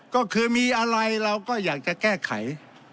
ก็คือมีอะไรเราก็อยากจะแก้ไข